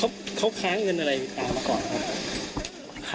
เขาค้าเงินอะไรตามมาก่อนครับ